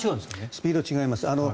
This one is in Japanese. スピードが違います。